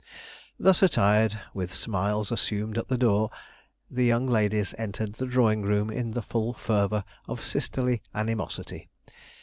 Thus attired, with smiles assumed at the door, the young ladies entered the drawing room in the full fervour of sisterly animosity.